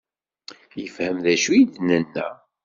Yefhem d acu i d-nenna?